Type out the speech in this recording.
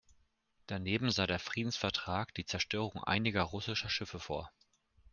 Daneben sah der Friedensvertrag die Zerstörung einiger russischer Schiffe vor.